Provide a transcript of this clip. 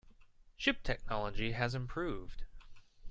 Ship technology has improved.